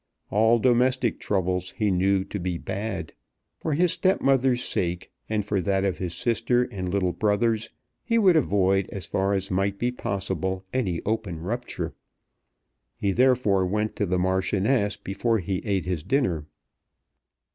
All domestic troubles he knew to be bad. For his stepmother's sake, and for that of his sister and little brothers, he would avoid as far as might be possible any open rupture. He therefore went to the Marchioness before he ate his dinner.